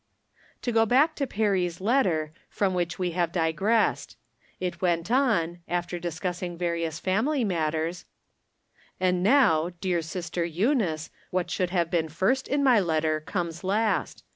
To go back to Perry's letter, from which we have digressed. It went on, after discussing var ious family matters : And now, dear Sister Eunice, what should have been first in my letter, comes last.